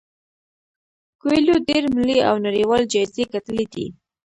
کویلیو ډیر ملي او نړیوال جایزې ګټلي دي.